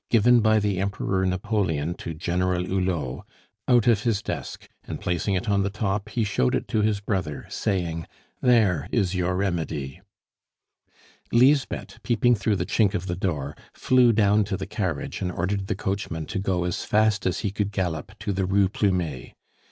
"Given by the Emperor Napoleon to General Hulot," out of his desk, and placing it on the top, he showed it to his brother, saying, "There is your remedy." Lisbeth, peeping through the chink of the door, flew down to the carriage and ordered the coachman to go as fast as he could gallop to the Rue Plumet.